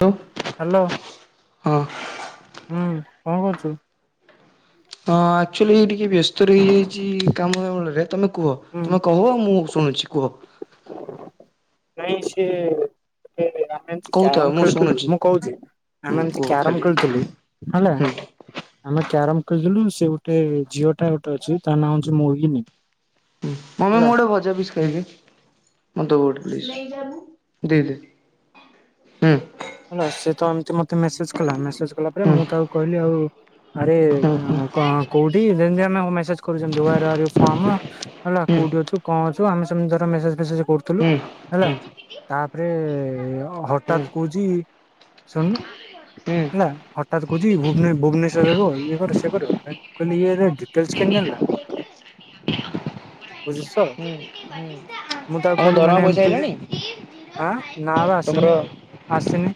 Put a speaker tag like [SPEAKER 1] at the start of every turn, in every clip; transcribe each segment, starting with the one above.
[SPEAKER 1] Hello ହଁ
[SPEAKER 2] hello
[SPEAKER 1] ହଁ
[SPEAKER 2] ହୁଁ, କଣ କରୁଛୁ?
[SPEAKER 1] ହଁ ଆକ୍ଚୁଆଲି ଏଇ ଟିକି ବ୍ୟସ ସ୍ତ ରହିଯାଇଚି କାମରଳରେ ତମକୁ କୁହ
[SPEAKER 2] ହୁଁ
[SPEAKER 1] ତମେ କହୁ ମୁଁ ଶୁଣୁଛି। କୁହ।
[SPEAKER 2] ନାଇଁ ସିଏ ଆ ଏମତି
[SPEAKER 1] କହୁଥାଅ
[SPEAKER 2] କ୍ୟାରମ
[SPEAKER 1] ମୁଁ
[SPEAKER 2] ଖେଳୁଥିଲୁ
[SPEAKER 1] ଶୁଣୁଛି
[SPEAKER 2] ମୁଁ କହୁଛି
[SPEAKER 1] ହୁଁ
[SPEAKER 2] ଆମେ ଏମତି
[SPEAKER 1] କୁହ
[SPEAKER 2] କ୍ୟାରମ
[SPEAKER 1] ଖାଲି
[SPEAKER 2] ଖେଳୁଥିଲୁ ହେଲା
[SPEAKER 1] ହୁଁ।
[SPEAKER 2] ଆମେ କ୍ୟାରମ କ କହିଥିଲୁ ସେ ଗୋଟେ ଝିଅ ଟା ଗୋଟେ ଅଛି ତା ନାଁ ଅଛି ମୋହିନୀ।
[SPEAKER 1] ମମି ମୁଁ
[SPEAKER 2] ହେଲା
[SPEAKER 1] ଗୋଟେ ଭଜା ପିସ୍ ଖାଇକି ମତେ ଦବୁ ଗୋଟେ। ଦେଇ ଦେଇ ହୁଁ,
[SPEAKER 2] ହେଲା ସେ ତ ଏମତି ମତେ ମେସେଜ୍ କଲା ମେସେଜ କଲା
[SPEAKER 1] ହୁଁ ହୁଁ
[SPEAKER 2] ପରେ ମୁଁ ତାକୁ କହିଲି ଆଉ ଆରେ
[SPEAKER 1] ହୁଁ ହୁଁ ହୁଁ। ହୁଁ
[SPEAKER 2] କୋଉଠି ଯେମିତି ଆମେ ମେସେଜ କରୁଛନ୍ତି କୋଉଠିଅଛୁ କଣଅଛୁ ଆମେସେମିତି ଧର ମେସେଜ ଫେସେଜ କରୁଥିଲୁ
[SPEAKER 1] ହୁଁ।
[SPEAKER 2] ହେଲା ତାପରେ
[SPEAKER 1] ହୁଁ
[SPEAKER 2] ହଠାତ କହୁଛି ଶୁଣନୁ
[SPEAKER 1] ହୁଁ
[SPEAKER 2] ହେଲା ହଠାତ କହୁଛି ଭୁବନେଶ୍ଵରରୁ ଇଏ କର ସିଏ କର କହିଲି ଇଏ ଏରା ଡିଟେଲସ କେମିତି ଜାଣିଲା ବୁଝୁଚୁତ ମୁଁ ତାକୁ
[SPEAKER 1] ତମ
[SPEAKER 2] କହିଲି
[SPEAKER 1] ଦରମା
[SPEAKER 2] ମାନେ
[SPEAKER 1] ପଇସା
[SPEAKER 2] ଏମିତି
[SPEAKER 1] ଆଇଲାଣି?
[SPEAKER 2] ଆଁ ନା ବା
[SPEAKER 1] ତମର
[SPEAKER 2] ଆସିନି । ଆସନି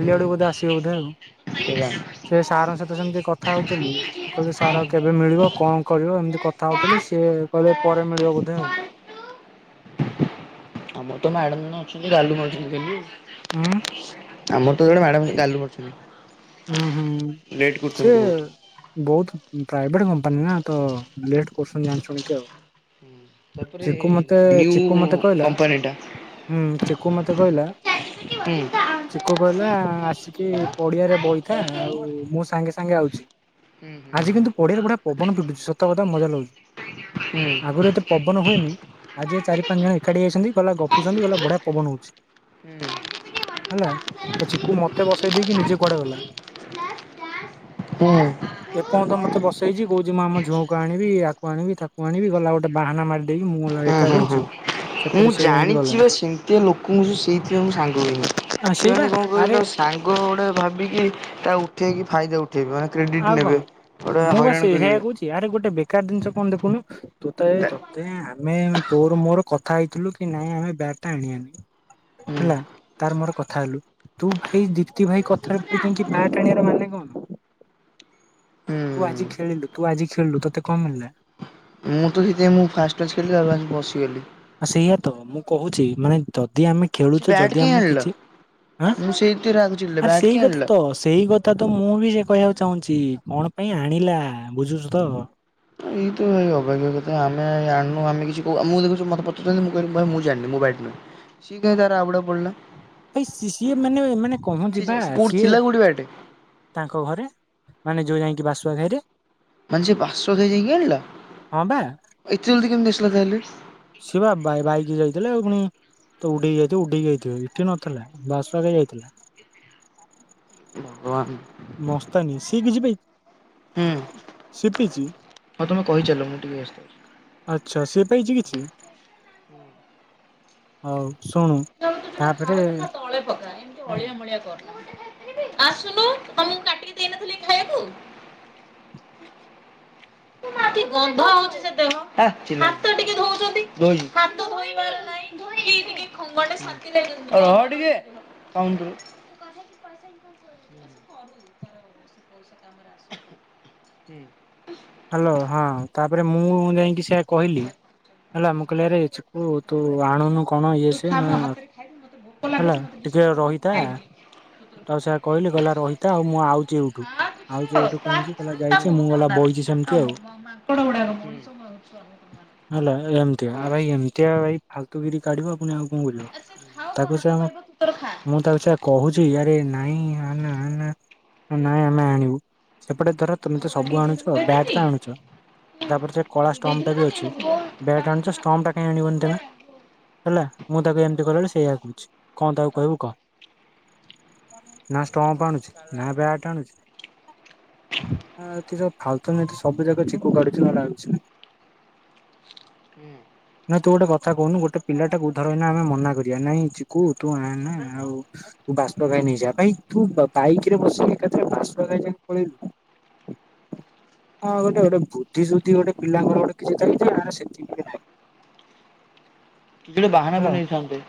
[SPEAKER 1] ହୁଁ ହୁଁ
[SPEAKER 2] ଆଡକୁ ବୋଧେ ଆସିବ ବୋଧେ ଆଉ ।
[SPEAKER 1] [inaudible]
[SPEAKER 2] ତ ସେମତି କଥା ହଉଥିଲି କହିଲି ସାର କେବେ ମିଳିବ କଣ କରିବ ଏମିତି କଥା ହଉଥିଲି ସିଏ କହିଲେ ପରେ ମିଳିବ ବୋଧେ ଆଉ ।
[SPEAKER 1] ମଁ ତ ମ୍ୟାଡାମ ଜଣେ ଅଛନ୍ତି ଗାଲୁ ମାରୁଛନ୍ତି ଖାଲି ।
[SPEAKER 2] ହଁ
[SPEAKER 1] ଆମର ତ ଜଣେ ମ୍ୟାଡ଼ାମ ଗାଲୁ ମାରୁଚନ୍ତି।
[SPEAKER 2] ହୁଁ ହୁଁ ସେ ବହୁତ ପ୍ରାଇଭେଟ କମ୍ପାନୀ ନା ତ ଲେଟ୍ କରୁଚନ୍ତି ଜାଣିସୁଣି କି ଆଉ ।
[SPEAKER 1] ତାପରେ ନ୍ୟୁ
[SPEAKER 2] କହିଲା
[SPEAKER 1] କମ୍ପାନୀଟା
[SPEAKER 2] ହୁଁ ଚିକୁ ମତେ କହିଲା
[SPEAKER 1] ହୁଁ। ହୁଁ ହୁଁ
[SPEAKER 2] ଚକୁ କହିଲା ଆସିକି ପଡିଆରେ ବଇଥା ଆଉ ମୁଁ ସାଙ୍ଗେ ସାଙ୍ଗେ ଆଉଛି । ଆଜି କିନ୍ତୁ ପଢିଆରେ ବଢିଆ ପବନ ପିଟୁଛି ସତ କଥା ମଜା ଲାଗୁଛି । ଆଗରୁ ଏତେ ପବନ ହୁଏନି ଆଜି ଏ ଚାରି ପାଞ୍ଚ ଜଣ ଏକାଠି ଯାଇଛନ୍ତି ଗିଲ ଗପୁଛନ୍ତି ଗହିଲ ବଢିଆ ପବନ ହଉଛି ହେଲା ତ ଚିକୁ ମତେ ବସେଇ ଦେଇକି ନିଜେ କୁଆଡେ ଗଲା ।
[SPEAKER 1] ହୁଁ।
[SPEAKER 2] [unintelligible]
[SPEAKER 1] ହୁଁ ।
[SPEAKER 2] ଏପ ତ ମତେ ବସେଇଛି କହୁଛି ମୁଁ ଆମ ଝୁଅକୁ ଆଣିବି ୟାକୁ ଆଣିବି ତାକୁ ଆଣିବି ଗଲା ଗୋଟେ ବାହାନା ମାରିଦେଇକି ମୁଁ ଗଲା
[SPEAKER 1] ହୁଁ
[SPEAKER 2] ଏକା
[SPEAKER 1] ହୁଁ
[SPEAKER 2] ବଇଛି
[SPEAKER 1] ହୁଁ।
[SPEAKER 2] ।
[SPEAKER 1] ମୁଁ ଜାଣିଛି ବା ସେମିତିଆ ଲୋକଙ୍କୁ ସବୁ ସେଇଥିପାଇଁ ମୁଁ ସାଙ୍ଗ ପାଇଁନି
[SPEAKER 2] ଆ ସେଇ ବା
[SPEAKER 1] ସେମାନେ କଣ
[SPEAKER 2] ଆରେ
[SPEAKER 1] କହିଲ ସାଙ୍ଗ ଗୁଡ଼େ ଭାବିକି ତା ଉଠେଇକି ଫାଇଦା ଉଠେ
[SPEAKER 2] ଆଉ କଣ ମୁଁ
[SPEAKER 1] ହଇରାଣ
[SPEAKER 2] ବାସ ସେଆ
[SPEAKER 1] କରିବେ
[SPEAKER 2] କହୁଛି ଆରେ ଗୋଟେ ବେକାର ଜିନିଷ କୁ କଣ ଦେଖୁନୁ ତୁ ତ ଏ ତତେ ଆମେ ତୋର ମୋର କଥା ହେଇଥିଲୁ କି ନାଇଁ ଆମେ ବ୍ୟାଟ ଟା ଆଣିବାନି
[SPEAKER 1] ହୁଁ
[SPEAKER 2] ହେଲା ତାର ମୋର କଥା ହେଲୁ ତୁ ଭାଇ ଦୀପ୍ତି ଭାଇ କଥାରେ ପ ବ୍ୟାଟ ଆଣିବାର ମାନେ କଣ?
[SPEAKER 1] ହୁଁ।
[SPEAKER 2] ତୁ ଆଜି ଖେଳିଲୁ ତୁ ଆଜି ଖେଳିଲୁ ତୋତେ କଣ ମିଳିଲା?
[SPEAKER 1] ମୁଁ ତ ସେଥି ମୁଁ ଫାଷ୍ଟ ଫାଷ୍ଟ ଖେଳିଲିି ବସିଗଲି ।
[SPEAKER 2] ଆ ସେଇଆ ତ ମୁଁ କହୁଛି ମାନେ ଯଦି ଆମେ
[SPEAKER 1] ସେ
[SPEAKER 2] ଖେଳୁଛେ
[SPEAKER 1] ବ୍ୟାଟ୍
[SPEAKER 2] ଯଦି
[SPEAKER 1] କାଇଁ
[SPEAKER 2] ଆମକୁ
[SPEAKER 1] ଆଣିଲ
[SPEAKER 2] କିଛି ଆଁ
[SPEAKER 1] ମୁଁ ସେଇଥିରେ ରାଗ ଚିଡିଲା
[SPEAKER 2] ଆରେ
[SPEAKER 1] ବ୍ୟାଟ୍
[SPEAKER 2] ସେଇ
[SPEAKER 1] କାଇଁ
[SPEAKER 2] କଥା
[SPEAKER 1] ଆଣିଲ।
[SPEAKER 2] ତ ସେଇ କଥା ତ ମୁଁ ବି ସେ କହିବାକୁ ଚାହୁଁଛି କଣ ପାଇଁ ଆଣିଲା ବୁଝୁଛୁ ତ
[SPEAKER 1] ଏଇ ତ ଏଇ ଅବାଗିଆ କଥା ଆମେ ଆଣୁ ଆମେ କିଛି କ ମୁଁ ଦେଖୁଛ ମତେ ପଚାରୁଛନ୍ତି ମୁଁ କିହିବି ଭାଇ ମୁଁ ଜାଣିନି ମୋ ବ୍ୟାଇଟ ନୁହଁ ସି କାହିଁ ତାର ଆବୁଡ଼ା ପଡିଲା?
[SPEAKER 2] ଭ ସିଏ ମାନେ ମାନେ
[SPEAKER 1] ସେ
[SPEAKER 2] କହନ୍ତି ବା
[SPEAKER 1] ସେ କୋଉଠି
[SPEAKER 2] ସିଏ
[SPEAKER 1] ଥିଲା କୋଉଠି ବ୍ୟାଟ୍
[SPEAKER 2] ତାଙ୍କ ଘରେ ମାନେ ଯୋଉ ଯାଇକି ବାସୁ ସାଇରେ
[SPEAKER 1] ମାନେ ସିଏ ହାସୁଆସାଇ ଯାଇକି ଆଣିଲା
[SPEAKER 2] ହଁ
[SPEAKER 1] ଏତେ ଜଲ୍ଦି କେମ୍ତି ଆସିଲା ତାହଲେ
[SPEAKER 2] ସେ ବା ବାଇକ ଯାଇଥିଲେ ଆଉ ପୁଣି ତ ଉଡେଇକି ଯାଇଥିବ ଉଡେଇକି ଯାଇଥିବ ଏଠି ନଥିଲା ବାସୁ ସାଇ ଯାଇଥିଲା ।
[SPEAKER 1] ଭଗବାନ ।
[SPEAKER 2] ମସ୍ତନୀ ସି କିଛି
[SPEAKER 1] ହୁଁ
[SPEAKER 2] ସି ପାଇଛି
[SPEAKER 1] ହଉ ତମେ କହିଚାଲ ମୁଁ ଟିକେ ବ୍ୟସ୍ତ ଅଛି।
[SPEAKER 2] ଆଛା ସି ପାଇଛି କିଛି ହଉ ।
[SPEAKER 1] ତୁ ଯୋଟା ଖାଉଛୁ ନା ତଳେ ପକା ଏମିତି ଅଳିଆ ମଳିଆ କରନା । ଆସୁନୁ ଆମକୁ କାଟିକି ଦେଇନଥିଲି ଖାଇବାକୁ। [unintelligible] ହୁଁ।
[SPEAKER 2] ହ୍ୟାଲୋ ହଁ ତାପରେ ମୁଁ ଯାଇକି ସେଆ କହିଲି ହେଲା ମୁଁ କହିଲି ଆରେ ଚିକୁ ତୁ ଆଣୁନୁ। କଣ ଇଏ ସିଏ ନା ହେଲା ଟିକେ ରହିଥା ତ ସେଆ କହିଲି କହିଲା ରହିଥା ଆଉ ମୁଁ ଆଉଛି ଏଇଠୁ ଆଉଛି ଏଇଠୁ କହିକି ଯାଇଛି ମୁଁ ଗଲା ବଇଚି।
[SPEAKER 1] ଆମ ମାଙ୍କଡ଼ ଗୁଡ଼ାକ
[SPEAKER 2] ହେଲା
[SPEAKER 1] [inaudible]
[SPEAKER 2] [unintelligible] କାଢିବା ପୁଣି ଆଉ। ମୁଁ ବୁଲିବ ତାକୁ ସେ ମୁଁ ତାକୁ ସେ କହୁଛି ଇଆଡେ ନାଇଁ ଆନା । ନାନା ନାଇଁ ଆମେ ଆଣିବୁ। ସେପଟେ ତର ତମେ ତ ସବୁ ଆଣୁଛ । ବ୍ୟାଟ ତ ଆଣୁଛ ତାପରେ ସେ କଳାଷ୍ଟମ୍ ବି ଅଛି ବ୍ୟାଟ ଆଣୁଛ ଷ୍ଟମଟା କାଇ ଆଣିବନି ତମେ ହେଲା ମୁଁ ତାକୁ ଏମତି କହିଲା ବେଳୁ ସେ ଏୟା କହୁଛି। କଣ ତାକୁ କହିବୁ କହ ନା ଷ୍ଟମ୍ପ ଆଣୁଛି ନା ବ୍ୟାଟ ଆଣୁଛି । ହଁ କିସ। ପ୍ରଥମୀ ତ ସବୁ ଜାକ ଚିକୁ କାଟୁଛି ଆଉ କିଛିନାହିଁ ।
[SPEAKER 1] ହୁଁ।
[SPEAKER 2] ତୁ ଗୋଟେ କଥା କହୁନୁ ଗୋଟେ ପିଲାଟାକୁ ଧର ଏଇନା ଆମେ ମନା କରିବା ନାଇଁ ଚିକୁ ତୁ ଆଣନା ଆଉ ତୁ ବାଷ୍ପ ଖାଇ ନେଇଯା ଭାଇ ତୁ ବାଇକ ରେ ବସିକି ଏକାଥରେ ବାଷ୍ପ ଗାଇ ଯାଙ୍କେ ପଳେଇଲୁ । ହଁ ଗୋଟେ ଗୋଟେ ବୁଦ୍ଧି ସୁଦ୍ଧି ଗୋଟେ ପିଲାଙ୍କର ଗୋଟେ କିଛି ଚାଲିଛି ନା ସେତିକି ନାହିଁ।
[SPEAKER 1] କିଡେ ବାହାନା
[SPEAKER 2] ହେଲା।
[SPEAKER 1] ବନେଇଥାନ୍ତେ।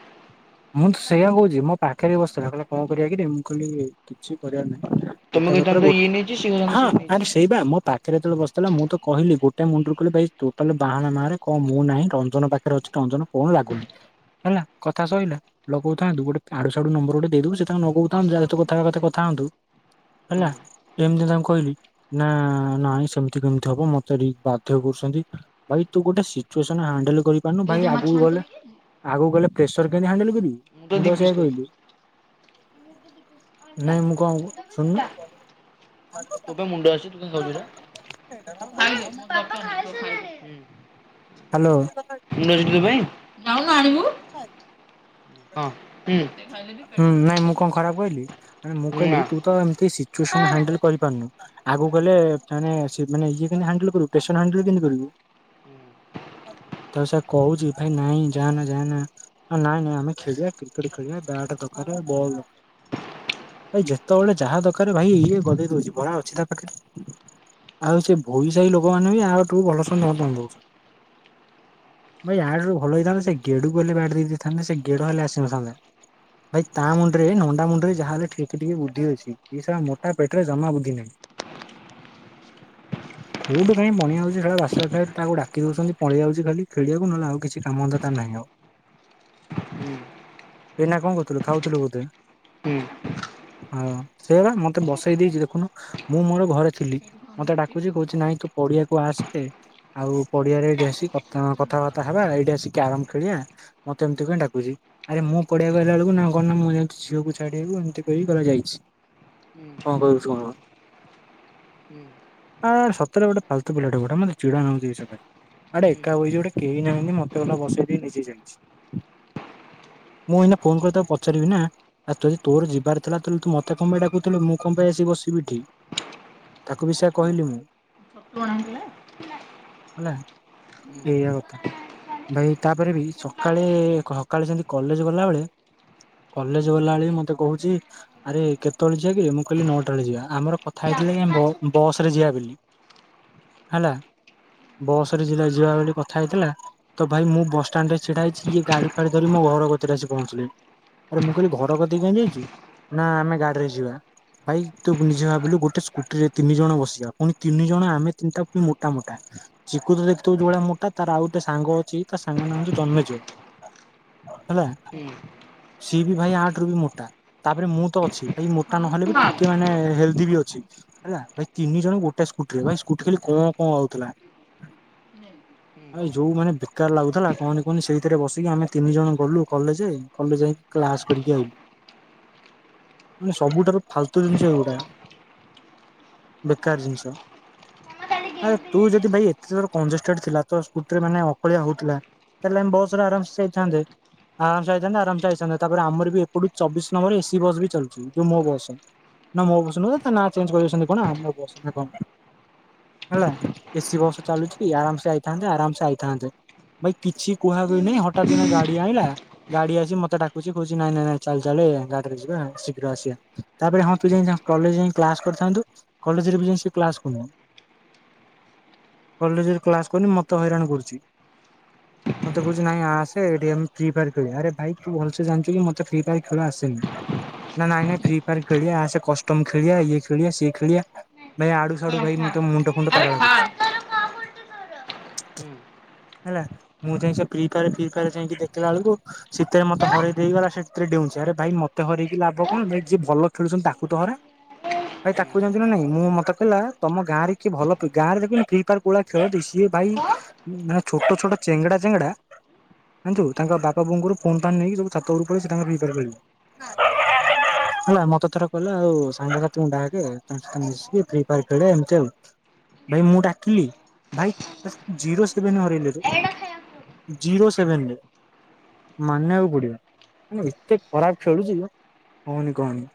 [SPEAKER 2] ମୁଁ ତ ସେଇା କହୁଛି ମୋ ପାଖରେ ବସିଥିଲା କହିଲେ କଣ କରିବା କିରେ ମୁଁ କହିଲି କିଛି କରିବାର ନାହିଁ।
[SPEAKER 1] ତମେ
[SPEAKER 2] ଟେଟାଲ ଉପରେ
[SPEAKER 1] କହିଥାନ୍ତ ଇଏ ନେଇଛି
[SPEAKER 2] ଗୋଟା
[SPEAKER 1] ସିଏ କହିଥାନ୍ତା ସିଏ
[SPEAKER 2] ହଁ
[SPEAKER 1] ନେଇଛି।
[SPEAKER 2] ଆରେ ସେଇ ପା ମୋ ପାଖ ପାଖରେ ଯେତେବେଳେ ବସିିଥିଲା ମୁଁ ତ କହିଲି ଗୋଟେ ମୁଣ୍ଡରୁ କହି ଭାଇ ଟୋଟାଲ ବାହାନା ମାରେ କହ ମୁଁ ନାହିଁ ରଞ୍ଜନ ପାଖରେ ଅଛି ରଞ୍ଜନ ଫୋନ ଲାଗୁନି। ହେଲା କଥା ସହିଲା ଲଗଉଥାନ୍ତୁ ଗୋଟେ ଆଡୁ ସିଆଡୁ ନମ୍ବର ଗୋଟେ ଦେଇଦବୁ ସେ ତାଙ୍କୁ ଲଗଉଥାନ୍ତୁ ଯହା ସହିତ କଥା ହେବା କଥା ହୁଅନ୍ତୁ
[SPEAKER 1] ହୁଁ
[SPEAKER 2] ହେଲା ଏମିତି ତାଙ୍କୁ କହିଲି ନା ନାଇଁ ସେମିତି କେମିତି ହବ ମତେ ଟିକ ବାଧ୍ୟ କରୁଛନ୍ତି ଭାଇ ତୁ ଗୋଟେ ସିଚୁଏସନ ହାଣ୍ଡେଲ। କରିପାରୁନୁ ଭାଇ ଆଗକୁ ଗଲେ ଆଗକୁ ଗଲେ ପ୍ରେସର କେମତି ହାଣ୍ଡେଲେ କରିବି? ମୁଁ
[SPEAKER 1] ଦି
[SPEAKER 2] ତ ସେଇଆ
[SPEAKER 1] ପିସ୍ ଖାଇଛି।
[SPEAKER 2] କହିଲି ।
[SPEAKER 1] ହୁଁ
[SPEAKER 2] ନାଇଁ ମୁଁ କଣ ଶୁଣୁନୁ ।
[SPEAKER 1] ତୋ ପାଇଁ ମୁଣ୍ଡ ଅଛି ତୁ କଣ ଖାଉଛୁ ଏଟା ।
[SPEAKER 2] ହ୍ୟାଲୋ।
[SPEAKER 1] ନରେନ୍ଦ୍ର ଭାଇ। ହଉ। ଆଣିବୁ ହଁ ହୁଁ।
[SPEAKER 2] ହୁଁ ନାଇଁ ମୁଁ କଣ ଖରାପ କହିଲି ମୁଁ କହିଲି
[SPEAKER 1] ନା
[SPEAKER 2] ତୁ ତ ଏମତି ସିଚୁଏସନ ହାଣ୍ଡେଲେ କରିପାରୁନୁ। ଆଗକୁ ଗଲେ ମାନେ ସେ ଇଏ କେମିତି ହାଣ୍ଡେଲ କରିବୁ ପ୍ରେସର ହାଣ୍ଡେଲ କେମିତି କରିବୁ ତ ସେ କହୁଚି ଭାଇ ନାଇଁ ଯା ଯା ନାଇଁ ନାଇଁ ଆମେ ଖେଳିବା । କ୍ରିକେଟ୍ ଖେଳିବା ବ୍ୟାଟ ତମର ବଲ୍ ୟେ ଯେତେବେଳେ ଯାହା ଦରକକାର ଭାଇ ଇଏ ଗଦେଇ ଦଉଛି ଭରା ଅଛି ତା ପାଖରେ ଆଉ ସେ ଭୋଇ ସାହି ଲୋକମାନେ ବି ଆୁଠୁ ଭଲ ଦଉଛନ୍ତି ଭାଇ ଆୁଠୁ ଭଲ ହେଇଥାନ୍ତେ ସେ ଗେଡୁକୁ ହେଲେ ବ୍ୟାଟ୍ ଦେଇ ଦେଇଥାନ୍ତେ ସେ ଗେଡୁ ହେଲେ ଆସିନଥାନ୍ତେ। ଭାଇ ତା ମୁଣ୍ଡରେ ନଣ୍ଡା ମୁଣ୍ଡରେ ଯାହାହଲେ ଠିକ ଟିକେ ବୁଦ୍ଧି ଅଛି କି ସେଟା ମୋଟା ପେଟରେ ଜମା ବୁଦ୍ଧି ନାହିଁ କୋଉଠୁ କାହିଁ ପଣି ଯାଉଛି ସେଟା ବାସବା ଖାଇଲେ ତାକୁ ଡାକି ଦଉଛନ୍ତି ପଳେଇ ଯାଉଛି ଖାଲି ଖେଳିବାକୁ ନହେଲେ ଆଉ କିଛି କାମ ଧନ୍ଦା ନାହିଁ ଆଉ ।
[SPEAKER 1] ହୁଁ।
[SPEAKER 2] ଏନା କଣ କହୁଥିଲୁ ଖାଉଥିଲୁ ବୋଧେ
[SPEAKER 1] ଭାବୁଛି
[SPEAKER 2] ହଁ ସେଇଆ ମତେ ବସେଇ ଦେଇଛି ଦେଖୁନୁ ମୁଁ ମୋର ଘରେ ଥିଲି ମତେ ଡାକୁଛି କହୁଛି ନାଇଁ ତୁ ପଡିଆକୁ ଆସେ ଆଉ ପଡିଆରେ ଏଇଠି ଆସିି କ କଥାବାର୍ତ୍ତା ହେବା ଏଇଠି ଆସି କ୍ୟାରମ ଖେଳିବା ମତେ ଏମିତି କ ଡାକୁଛି ଆରେ ମୁଁ ମୁଁ ପଡିଆକୁ ଆଇଲା ବେଳକୁ ନାଁ କଣ ନାଁ ମୁଁ ଝିଅକୁ ଛାଡିବକୁ ଏମିତି କହିକି ଯାଇଛି କଣ କହିବୁ କହ ଆ ସତରେ ଗୋଟେ ଫାଲତୁ ପିଲାଟ ଗୋଟ ମତେ ଚିଡା ନାଗୁଛି ଆଡେ ଏକା ବସିଛି ଗୋଟେ କେହି ନାହାନ୍ତି ମତେ ଗୋଟେ ବସେଇ ଦେଇକି ନିଜେ ଯାଇଛି । ମୁଁ ଏଇନା ଫୋନ କରି ତାକୁ ପଚାରିବି ନା ଆ ଯଦି ତୋର ଯିବାର ଥିଲା ତୁ ମତେ କଣ ପାଇଁ ଡାକୁୁଥିଲୁ ମୁଁ କଣ ପାଇଁ ଆସିିକ ବସିବି ଏଠି ତାକୁ ବି ସେଆ କହିଲି ମୁଁ ।
[SPEAKER 1] କଣ ହେଲା?
[SPEAKER 2] ଏୟା କଥା ଭାଇ ତାପରେ ବି ସକାଳେ ସକାଳେ ଯେମିତି କଲେଜ ଗଲାବେଳେ କଲେଜ ଗଲାବେଳେ ମୋତେ କହୁଛି ଆରେ କେତେବେଳେ ଯିବା କି ମୁଁ କହିଲି ନଅଟା ବେଳେ ଯିବା ଆମର କଥା ହେଇଥିଲେ କି ଆମେ ବ ବସ ରେ ଯିବା ବୋଲି । ହେଲା ବସ ରେ ଯ ଯିବା ଭଳି କଥା ହେଇଥିଲା ତ ଭାଇ ମୁଁ ବସଷ୍ଟାଣ୍ଡ ରେ ଛିଡା ହେଇଛି ଇଏ ଗାଡି ଫାଡି ଧରି ମୋ ଘର ଘର କତିରେ ଆସି ପହଞ୍ଚିଲେ ଆରେ ମୁଁ କହିଲି ଘର କତିକି କାଇଁ ଯାଇଛୁ ନା ଆମେ ଗାଡିରେ ଯିବା ଭାଇ ତୁ ନିଜେ ଭାବୁିଲୁ ଗୋଟେ ସ୍କୁଟିରେ ତିନି ଜଣ ବସିବା ପୁଣି ତିନି ଜଣ ଆମେ ତିନିଟା ପୁଣି ମୋଟା ମୋଟା ଚିକୁତ ଦେଖିଚୁ ଯୋଉ ଭଳିଆ ମୋଟା ତାର ଆଉ ଗୋଟେ ସାଙ୍ଗ ଅଛି ତା ସାଙ୍ଗ ନାମ ହେଉଛି ଯନ୍ମେଜୟ ହେଲା ସିଏ ବି ଭାଇ ଆଠ ରୁ ବି ମୋଟା ତାପରେ ମୁଁ ତ ଅଛି। ଏଇ ମୋଟା ନହେଲେ ବି ଟିକେ ମାନେ ହେ ବି ଅଛି ହେଲା ଭାଇ ତିନି ଜଣ ଗୋଟେ ସ୍କୁଟିରେ ଭାଇ ସ୍କୁଟି ଖାଲି କଁ କଁ ହଉଥିଲା ଭାଇ ଯୋଉ ମାନେ ବେକାର ଲାଗୁଥିଲା କହନି କହନି ସେଇଥିରେ ବସିକି ଆମେ ତିନି ଜଣ ଗଲୁ କଲେ କଲେଜ ଯାଇକି କ୍ଲାସ କରିକି ଆଇଲୁ ମ ସବୁଠାରୁ ଫାଲତୁ ଜିନିଷ ଗୋଟା ବେକାର ଜିନିଷ ଆରେ ତୁ ଯଦି ଭାଇ ଏତେ ଥର କଂଜେଷ୍ଟେଡ ଥିଲା ତ ସ୍କୁଟିରେ ମାନେ ଅକଳିଆ ହଉଥିଲା ତାହେଲେ ଆମେ ବସରେ ଆରାମ ଯାଇଥାନ୍ତେ। ଆରାମସେ ଆଇଥାନ୍ତେ ଆରାମସେ ଆଇଥାନ୍ତେ ତାପରେ ଆମର ବି ଏପଡୁ ଚବିଶ ନମ୍ବର ଏସି ବସ୍ ବି ଚାଲୁଛି ଯୋଉ ମୋ ବସ ନା ମୋ ବସ ନୁହଁ ତା ନାଁ ଚେଞ୍ଜ କରିଛନ୍ତି କଣ ଆମ ବସ ନା କଣ। ହେଲା ଏସି ବସ ଚାଲୁଛି ଆରାମସେ ଆଇଥାନ୍ତେ ଆରାମସେ ଆଇଥାନ୍ତେ ଭାଇ କିଛି କୁହାକୁହି ନାହିଁ ହଠାତ୍ କିନା ଗାଡି ଆଣିଲା ଗାଡି ଆସି ମତେ ଡାକୁଚି କହୁଛି ନାଇଁ ନାଇଁ ନାଇଁ ଚାଲେ ଚାଲ ଗାଡିରେ ଯିବା ଶୀଘ୍ର ଆସିବା ତାପରେ ହଁ ତୁ ଯାଇ କଲେଜ ଯାଇ କ୍ଳାସ କରିଥାନ୍ତୁ କଲେଜରେ ଯାଇ ସେ କ୍ଲାସ କରୁନୁ କଲେଜରେ କ୍ଲାସ କରୁନି ମତେ ହଇରାଣ କରୁଛି। ମତେ କହୁଛି ନାହିଁ ଆ ଷ୍ଟେଡ଼ିଅମ ଫ୍ରି ଫାୟାର ଖେଳିବା ଆରେ ଭାଇ ତୁ ଭଲସେ ଜାଣିଛୁ କି ମତେ ଫ୍ରି ଫାୟାର ଖେଳ ଆସେନି ନା ନାଇଁ ନାଇଁ ଫ୍ରି ଫାୟାର ଖେଳିବା ଆସେ କଷ୍ଟମ ଖେଳିଆ ଇଏ ଖେଳିଆ ସିଏ ଖେଳିବା। ଭାଇ ଇଆଡୁ ସିଆଡୁ ଭାଇ ମୁ ତ ମୁଣ୍ଡ ଫୁଣ୍ଡ ପାଗଳା କରୁଛି।
[SPEAKER 1] ହୁଁ,
[SPEAKER 2] ହେଲା ମୁଁ ଯାଇ ସେ ଫି ଫେୟାର ଫି ଫେୟାର ଯାଇକି ଦେଖି ସେତେବେେଳକୁ ଶୀତରେ ମତେ ହରଇ ଦେଇ ଗଲା ସେ ସେରେ ଡେଉଛି ଆରେ ଭାଇ ମତେ ହରଇକି ଲାଭ କଣ ଭାଇ ଯିଏ ଭଲ ଖେଳୁଛନ୍ତି ତାକୁ ତ ହରା ଭାଇ ତାକୁ ଜାଣିଛ ନାଇଁ ମୁଁ ମତେ କହିଲା ତମ ଗାଁରେ କିଏ ଭଲ ଗାଁରେ ଦେଖ ଫ୍ରି ଫାୟାର୍ କୁଳିଆ ଖେଳନ୍ତି ସିଏ ଭାଇ ମାନେ ଛୋଟ ଛୋଟ ଚେଙ୍ଗଡ଼ା ଚେଙ୍ଗଡ଼ା ଜାଣିଛୁ ତାଙ୍କ ବାପା ବୋଉ ଙ୍କଠୁ ଫୋନ୍ ଫାନ୍ ନେଇକି ସବୁ ଛାତ ଉପଠ ପଳେଇ ତାଙ୍କ ଫି ଫାର ଖେଳିଲେ ହେଲା ମତେ ଥର କହିଲା ଆଉ ସାଙ୍ଗ ସାଥି ଡାକେ ତାଙ୍କ ମିଶିକି ଫି ଫାର ଖେଳ ଏମତି ଆଉ ଭାଇ ମୁଁ ଡାକିଲି ଭାଇ ଜିରୋ ସେକେଣ୍ଡ ରେ ହରେଇ ଦେଲେ। ମାନିବାକୁ ପଡିବ ମାନେ ଏତେ ଖରାପ ଖେଳୁଛି କହନି କହନି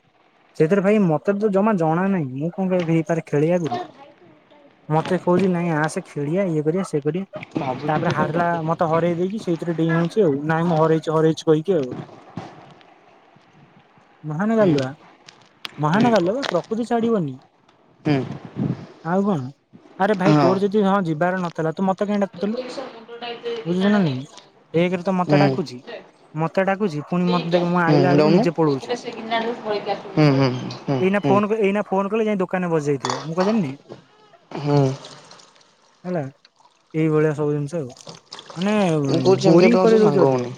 [SPEAKER 2] ସେଥିରେ ଭାଇ ମତେ ତ ଜମା ଜଣା ନାହିଁ ମୁଁ କଣ କହିବି ହେଇପାରେ ଖେଳିବା ଆଗରୁ ମତେ କହୁଛି ନାଇଁ ଆ ସେ ଖେଳଆ ଇଏ କରିବା ସେ କରିବା। ତାପରେ
[SPEAKER 1] କାଇଁ
[SPEAKER 2] ହାରିଲା
[SPEAKER 1] ଗର୍ବ
[SPEAKER 2] ମତେ
[SPEAKER 1] ମନ୍ଥି
[SPEAKER 2] ହରଇ ଦେଇଛି ସେଇଥିରେ ଡେଇଁ ହଉଛି ନାଇଁ ମୁଁ ହରେଇଛି ହରେଇଛି କହିକି ଆଉ ମହାନ
[SPEAKER 1] ହୁଁ
[SPEAKER 2] ଗାଲୁଆ ମହାନ ଗାଲୁଆ ପ୍ରକୃତି ଛାଡିବନି। ଆଉ କଣ ଆରେ ଭାଇ
[SPEAKER 1] ହଁ
[SPEAKER 2] ତୋର ଯଦି ହଁ ଯିବି ତାର ନଥିଲା ତୁ ମତେ କାଇଁ ଡାକୁଥିଲୁ। ବୁଝୁଛୁ ନା
[SPEAKER 1] ଦିନଟା ନେଇ
[SPEAKER 2] ନାଇଁ
[SPEAKER 1] ଚ
[SPEAKER 2] ଏକରେ ତ ମତେ ଡାକୁଚି ମତେ ଡାକୁଛି ପୁଣି ମତେ ଦେଖ ମୁଁ ଆଇଲା
[SPEAKER 1] ହୁଁ
[SPEAKER 2] ବେଳକୁ
[SPEAKER 1] ରହୁନୁ
[SPEAKER 2] ନିଜେ ପଳଉଛି
[SPEAKER 1] ହୁଁ ହୁଁ ହଁ ହଁ।
[SPEAKER 2] ମୁଁ କହିଲି ଯାଇ ଦୋକାନରେ ବସି ଯାଇଥିବ ମୁଁ କଣ ଜାଣିନି
[SPEAKER 1] ହୁଁ
[SPEAKER 2] ହେଲା ଏଇଭଳିଆ ସବୁ ଜିନିଷ ଆଉ। ମାନେ
[SPEAKER 1] ମୁଁ କହୁଛି ଏମିତିଆ
[SPEAKER 2] ପ୍ରିଣ୍ଟ
[SPEAKER 1] ପିଲାଙ୍କ ସହ
[SPEAKER 2] କରିବାକୁ
[SPEAKER 1] ସାଙ୍ଗ
[SPEAKER 2] ଯାଉଥିକ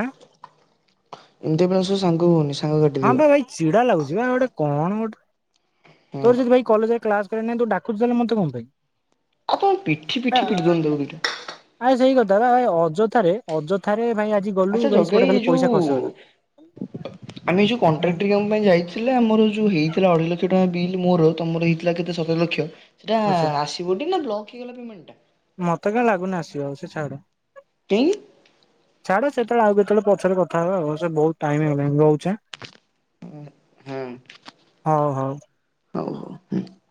[SPEAKER 2] ଆଁ
[SPEAKER 1] ଏମିତି ବେଳେ ସ ସେ ସାଙ୍ଗ ହଉନି ସେ
[SPEAKER 2] ହଁ ଭାଇ ଭାଇ ଚିଡ଼ା ଲାଗୁଛି ଯିବା ଗୋଟେ କଣ ଗୋଟେ
[SPEAKER 1] ହୁଁ
[SPEAKER 2] ତୋର ଯଦି ଭାଇ କଲେଜରେ କ୍ଲାସ କରିବାର ନାହିଁ ତ ଡାକୁଛି ତାହେଲେ ମତେ କଣ ପାଇଁ?
[SPEAKER 1] କଣ ପିଠି ପିଠି ପିଠି ଦୋଉନୁ ଦିଟା।
[SPEAKER 2] [unintelligible] ଅଯଥାରେ ଅଯଥାରେ ଭାଇ ଆଜି ଗଲୁ
[SPEAKER 1] ଆଚ୍ଛା [unintelligible]
[SPEAKER 2] ଭାଇ ସେପଟେ ଖାଲି ପଇସା
[SPEAKER 1] ଯୋଉ
[SPEAKER 2] ଖର୍ଚ୍ଚ ହେଲା।
[SPEAKER 1] । ଆମେ ଯୋଉ
[SPEAKER 2] ହୁଁ
[SPEAKER 1] କଣ୍ଟ୍ରାକ୍ଟରଙ୍କ ପାଇଁ ଯାଇଥିଲେ ଆମର ଯୋଉ ହେଇଥିଲା ଅଢେଇଲକ୍ଷ। [unintelligible] ମୋର ତମର ହେଇଥିଲା କେତେ ସତ। [unintelligible] ସେଟା
[SPEAKER 2] ଆଚ୍ଛା
[SPEAKER 1] ଆସିବ କି ନା ବ୍ଲକ୍ ହେଇଗଲା ପେମେଣ୍ଟ ଟା?
[SPEAKER 2] ଯାଉ ସେ ଛାଡ।
[SPEAKER 1] କାହିଁକି
[SPEAKER 2] ଛାଡ ସେତେବେଳେ ଆଉ କେତେବେଳେ ପଛରେ କଥା ହେବା ବହୁତ ଟାଇମ୍ ହୋଇଗଲାଣି ରହୁଛି ଆଁ।
[SPEAKER 1] ହଁ
[SPEAKER 2] ହଁ ହୋଉ।
[SPEAKER 1] [unintelligible]